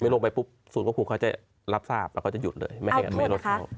ลงไปพบศูนย์กระพรุเขาจะรับทราบแล้วก็จะหยุดเลยไม่เห็นรถเขา